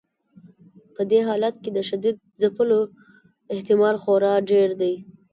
په دې حالت کې د شدید ځپلو احتمال خورا ډیر دی.